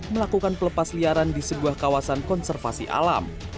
melakukan pelepas liaran di sebuah kawasan konservasi alam